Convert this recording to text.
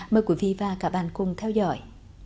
mời quý vị và các bạn cùng theo dõi